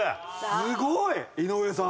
すごい！井上さん。